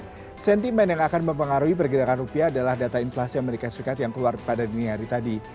jadi sentimen yang akan mempengaruhi pergerakan rupiah adalah data inflasi amerika serikat yang keluar pada dunia hari tadi